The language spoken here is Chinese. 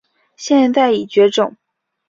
现在已绝种。